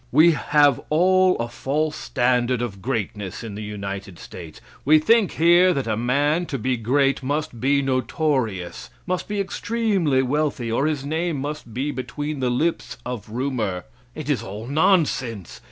We have all a false standard of greatness in the United States. We think here that a man to be great, must be notorious; must be extremely wealthy, or his name must be between the lips of rumor. It is all nonsense!